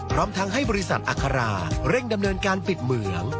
พร้อมทั้งให้บริษัทอัคราเร่งดำเนินการปิดเหมือง